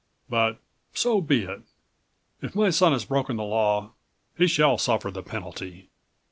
But so be it; if my son has broken the law, he shall suffer the penalty."